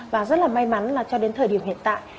và rất là may mắn là cho đến thời điểm hiện tại